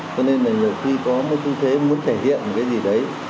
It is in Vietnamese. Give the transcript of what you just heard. cho nên là nhiều khi có một tư thế muốn thể hiện cái gì đấy